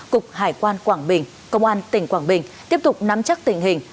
cục hải quan quảng bình công an tỉnh quảng bình tiếp tục nắm chắc tình hình